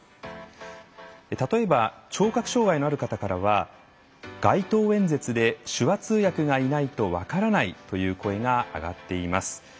例えば聴覚障害のある方からは街頭演説で手話通訳がいないと分からないという声が上がっています。